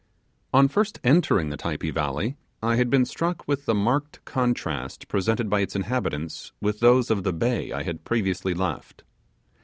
On first entering the Typee Valley, I had been struck with the marked contrast presented by its inhabitants with those of the bay I had previously left.